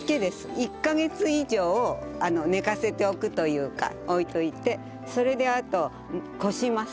１カ月以上寝かせておくというか置いといてそれであとこします。